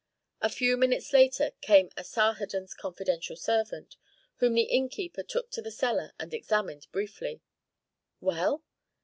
A few minutes later came Asarhadon's confidential servant, whom the innkeeper took to the cellar and examined briefly, "Well?"